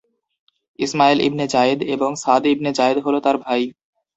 Ismail ibn Zayed এবং Saad ibn Zayed হলো তার ভাই।